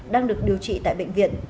đang được điều trị tại bệnh viện